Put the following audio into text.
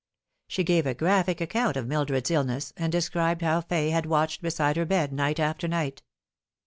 She gave a graphic account of Mildred's illness, and described how Fay had watched beside her bed night after night.